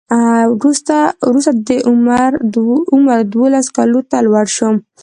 وروسته دا عمر دولسو کلونو ته لوړ شو.